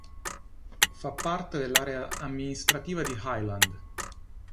Fa parte dell'area amministrativa di Highland.